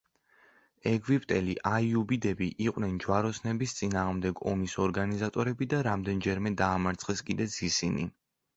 ეგვიპტელი აიუბიდები იყვნენ ჯვაროსნების წინააღმდეგ ომის ორგანიზატორები და რამდენიმეჯერ დაამარცხეს კიდეც ისინი.